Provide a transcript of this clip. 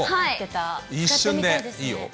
一瞬でいいよ。